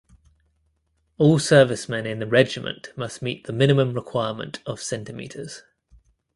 All serviceman in the regiment must meet the minimum requirement of centimeters.